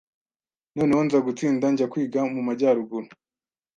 noneho nza gutsinda njya kwiga mu Majyaruguru